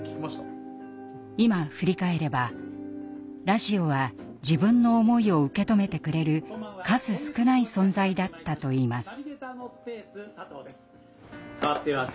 今振り返ればラジオは自分の思いを受け止めてくれる数少ない存在だったといいます。